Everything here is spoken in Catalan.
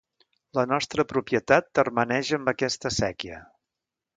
La nostra propietat termeneja amb aquesta séquia.